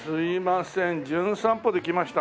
『じゅん散歩』で来ました